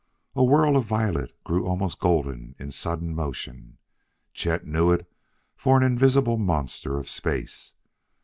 A whirl of violet grew almost golden in sudden motion; Chet knew it for an invisible monster of space.